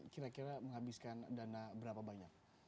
kira kira menghabiskan dana berapa banyak